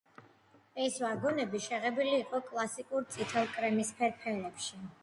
ეს ვაგონები შეღებილი იყო კლასიკურ წითელ–კრემისფერ ფერებში.